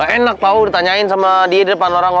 enak tahu tanyain sama dia depan orangnya